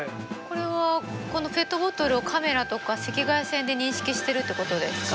これはこのペットボトルをカメラとか赤外線で認識してるってことですか？